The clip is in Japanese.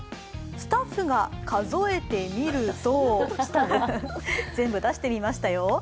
スタッフが数えてみると全部出してみましたよ。